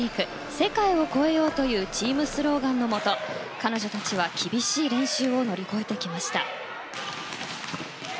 世界を超えようというチームスローガンのもと彼女たちは厳しい練習を乗り越えてきました。